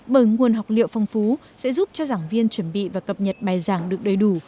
bởi nguồn học liệu phong phú sẽ giúp cho giảng viên chuẩn bị và cập nhật bài giảng được đầy đủ